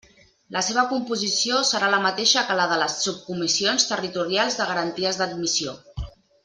La seva composició serà la mateixa que la de les subcomissions territorials de garanties d'admissió.